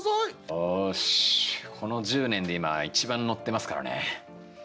よしこの１０年で今一番乗ってますからね。